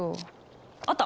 あった！